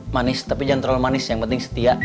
manis tapi jangan terlalu manis yang penting setia